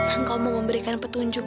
engkau mau memberikan petunjuk